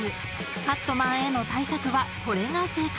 ［カットマンへの対策はこれが正解］